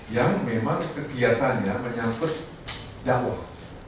yang memang kegiatannya menyangkut dakwah